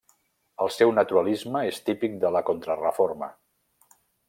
El seu naturalisme és típic de la Contrareforma.